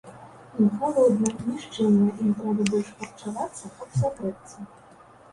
Ім халодна, нішчымна, ім трэба больш харчавацца, каб сагрэцца.